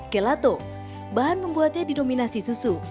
gelato bahan membuatnya di dominasi susu